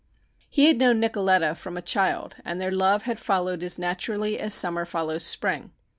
He had known Nicoletta from a child and their love had followed as naturally as summer follows spring.